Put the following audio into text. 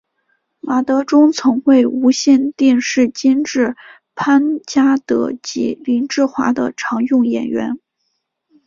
马德钟曾为无线电视监制潘嘉德及林志华的常用演员。